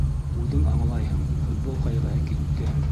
Үҙең аңлайһың -футбол ҡайғыһы китте...